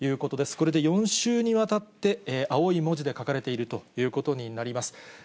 これで４週にわたって、青い文字で書かれているということになります。